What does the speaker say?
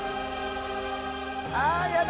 ああやだ！